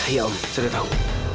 iya om sudah tahu